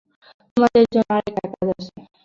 তোমাদের জন্য আরেকটা কাজ আছে।